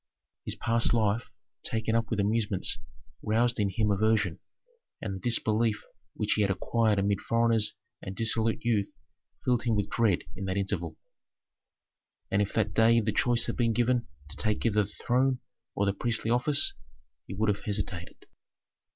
His past life, taken up with amusements, roused in him aversion, and the disbelief which he had acquired amid foreigners and dissolute youth filled him with dread in that interval. And if that day the choice had been given him to take either the throne or the priestly office, he would have hesitated.